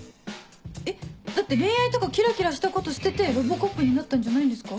だって恋愛とかキラキラしたこと捨ててロボコップになったんじゃないんですか？